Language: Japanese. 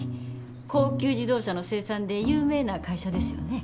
高級自動車の生産で有名な会社ですよね。